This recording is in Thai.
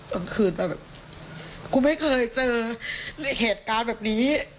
กลางคืนแบบกูไม่เคยเจอเหตุการณ์แบบนี้